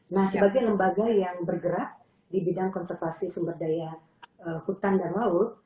nah sebagai lembaga yang bergerak di bidang konservasi sumber daya hutan dan laut